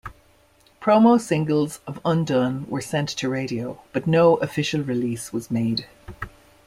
Promo singles of "Undone" were sent to radio, but no official release was made.